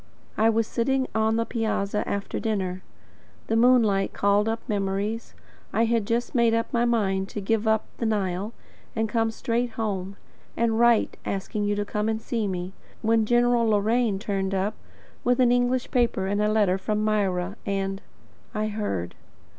I was sitting on the piazza after dinner. The moonlight called up memories. I had just made up my mind to give up the Nile, and to come straight home, and write asking you to come and see me; when General Loraine turned up, with an English paper and a letter from Myra, and I heard.